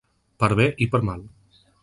Per bé i per mal.